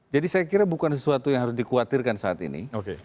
jadi saya kira bukan sesuatu yang harus dikhawatirkan saat ini